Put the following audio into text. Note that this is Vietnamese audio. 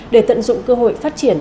để tận dụng cơ hội phát triển